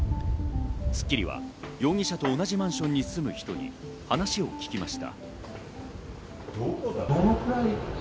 『スッキリ』は容疑者と同じマンションに住む人に話を聞きました。